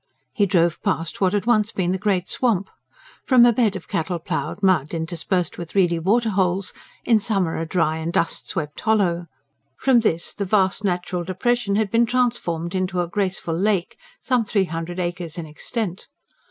He drove past what had once been the Great Swamp. From a bed of cattle ploughed mud interspersed with reedy water holes; in summer a dry and dust swept hollow: from this, the vast natural depression had been transformed into a graceful lake, some three hundred acres in extent.